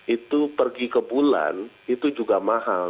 itu pergi ke bulan itu juga mahal